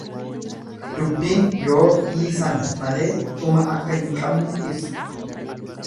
Dubbiin yoo dhiisan malee dhuma akka hin qabne ibsa.